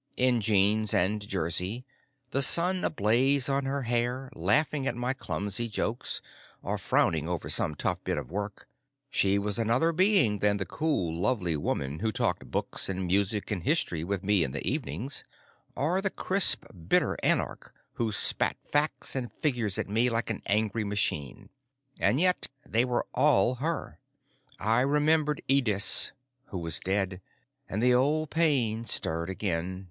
In jeans and jersey, the sun ablaze on her hair, laughing at my clumsy jokes or frowning over some tough bit of work, she was another being than the cool, lovely woman who talked books and music and history with me in the evenings, or the crisp bitter anarch who spat facts and figures at me like an angry machine. And yet they were all her. I remembered Ydis, who was dead, and the old pain stirred again.